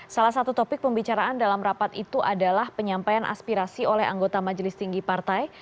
salah satu topik pembicaraan dalam rapat itu adalah penyampaian aspirasi oleh anggota majelis tinggi partai